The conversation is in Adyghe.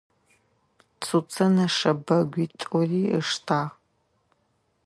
Цуцэ нэшэбэгуитӏури ыштагъ.